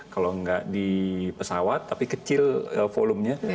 kalau nggak di pesawat tapi kecil volume nya